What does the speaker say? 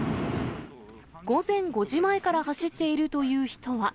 午前５時前から走っているという人は。